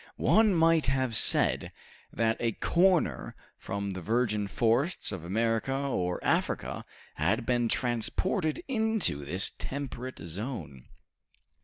One might have said that a corner from the virgin forests of America or Africa had been transported into this temperate zone.